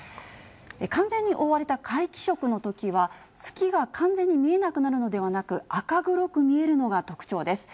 完全に覆われた皆既食のときは、月が完全に見えなくなるのではなく、赤黒く見えるのが特徴です。